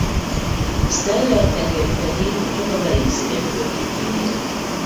Steller-tengeritehén csak a Bering-sziget környékén élt.